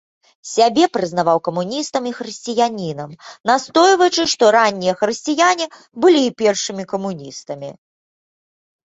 Сябе прызнаваў камуністам і хрысціянінам, настойваючы, што раннія хрысціяне былі і першымі камуністамі.